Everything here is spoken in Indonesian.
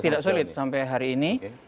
tidak sulit sampai hari ini